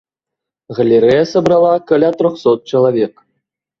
Галерэя сабрала каля трохсот чалавек.